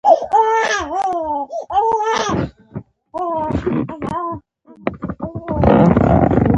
دې ټوکې پر دوی بد تاثیر وکړ او ګنګس یې کړل، پوه نه شول.